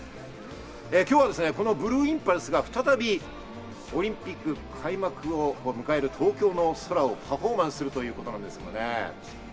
今日はこのブルーインパルスが再び、オリンピック開幕を迎える東京の空をパフォーマンスするということなんですね。